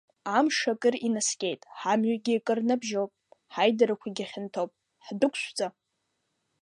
Амш акыр инаскьеит, ҳамҩагьы акыр набжьоуп, ҳаидарақәагьы хьанҭоуп, ҳдәықәшәҵа!